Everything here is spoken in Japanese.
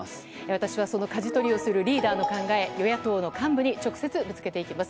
私はそのかじ取りをするリーダーの考え、与野党の幹部に直接ぶつけていきます。